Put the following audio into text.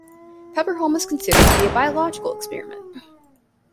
Peberholm is considered to be a biological experiment.